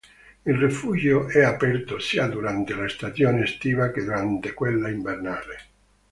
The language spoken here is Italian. Il rifugio è aperto sia durante la stagione estiva che durante quella invernale.